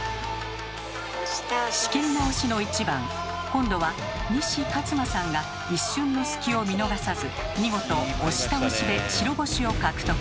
今度は西克磨さんが一瞬の隙を見逃さず見事「押し倒し」で白星を獲得。